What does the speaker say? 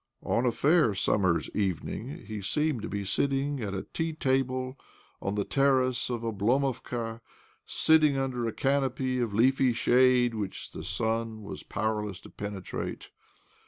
On a fair summer's evening he seemed to be sitting at a tea table on the terrace of Oblomovka— sitting under a canopy of leafy shade which the sun was powerless to, pene trate.